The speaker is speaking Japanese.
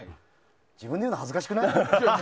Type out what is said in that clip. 自分で言うの恥ずかしくない？